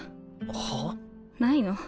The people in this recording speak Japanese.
はあ？ないの？